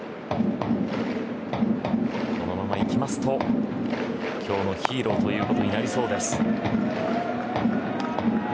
このままいきますと今日のヒーローということになりそうです。